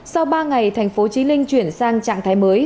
sau ba ngày tp hcm chuyển sang trạng thái mới